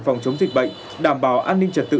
phòng chống dịch bệnh đảm bảo an ninh trật tự